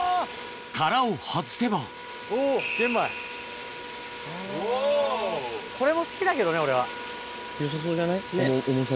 殻を外せばこれも好きだけどね俺は。